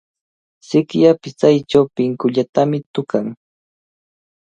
Sikya pichaychaw pinkullutami tukan.